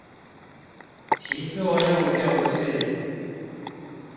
其作用就是